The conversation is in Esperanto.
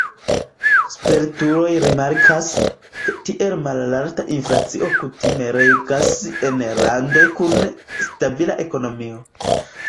Spertuloj rimarkas, ke tiel malalta inflacio kutime regas en landoj kun stabila ekonomio.